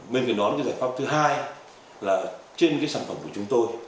bên cạnh đó giải pháp thứ hai là trên sản phẩm của chúng tôi